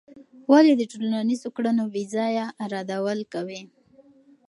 ولې د ټولنیزو کړنو بېځایه رد مه کوې؟